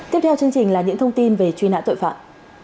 tiếp theo chương trình là những thông tin về truy nã tội phạm